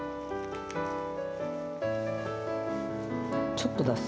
ちょっと出す。